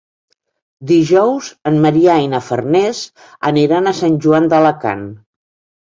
Dijous en Maria i na Farners aniran a Sant Joan d'Alacant.